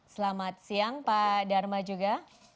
selamat siang pak dharma juga